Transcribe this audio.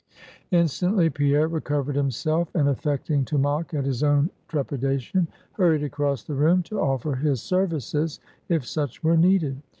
Instantly Pierre recovered himself, and affecting to mock at his own trepidation, hurried across the room to offer his services, if such were needed.